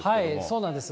そうなんです。